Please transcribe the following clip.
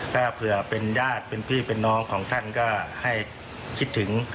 ถ้าเผื่อเป็นญาติเป็นพี่เป็นน้องของท่านก็ให้คิดถึง